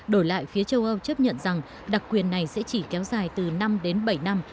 đổi lại phía châu âu chấp nhận rằng đặc quyền này sẽ chỉ kéo dài từ năm đến bảy năm